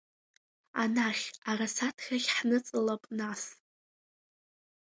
Анахь арасаҭрахь ҳныҵалап нас.